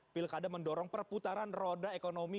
pilkada mendorong perputaran roda ekonomi